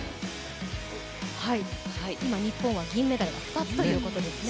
今、日本は銀メダル２つということですね。